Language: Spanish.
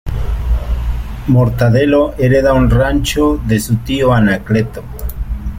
Mortadelo hereda un rancho de su tío Anacleto.